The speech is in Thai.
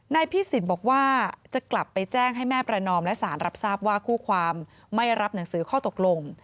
นายพิสิทธิ์บอกว่าจะกลับไปแจ้งให้แม่ประนอมและสารรับทราบว่าคู่ความไม่รับหนังสือข้อตกลง